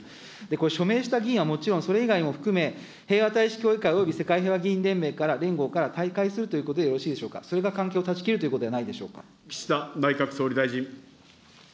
これ、署名した議員、それ以外も含め、平和たいし協議会および世界平和議員連盟から、連合から退会するということでよろしいでしょうか、それが関係を断ち切るということではないでしょうか。